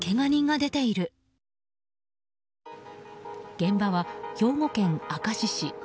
現場は兵庫県明石市。